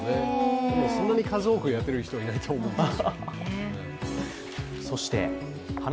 でもそんなに数多くやってる人はいないと思いますが。